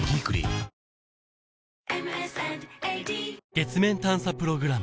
月面探査プログラム